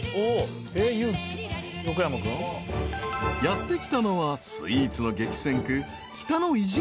［やって来たのはスイーツの激戦区］